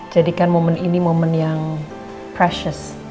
jadikan momen ini momen yang pressues